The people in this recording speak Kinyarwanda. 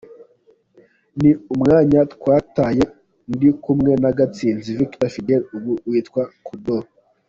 Ni umwanya twatwaye ndi kumwe na Gatsinzi Victor Fidèle ubu witwa Koudou.